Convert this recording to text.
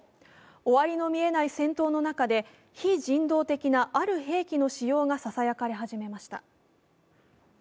終わりの見えない戦闘の中で非人道的なある兵器の使用がささやき始められました。